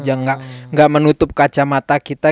jangan gak menutup kacamata kita